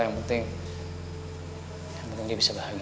yang penting yang penting dia bisa bahagia